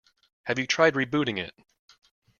Have you tried rebooting it?